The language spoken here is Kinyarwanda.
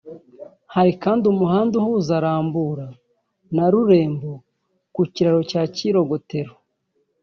Hari kandi umuhanda uhuza Rambura na Rurembo ku kiraro cya Kirogotero